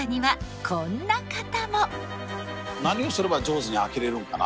何をすれば上手に開けれるのかな。